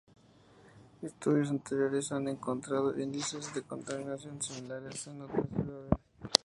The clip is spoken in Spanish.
Estudios anteriores han encontrado índices de contaminación similares en otras ciudades.